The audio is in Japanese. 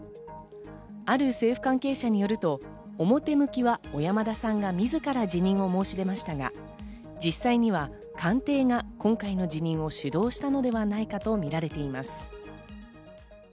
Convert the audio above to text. ある政府関係者によると、表向きは小山田さんが自ら辞任を申し出ましたが、実際には官邸が今回の辞任を主導したのではないかと見られています。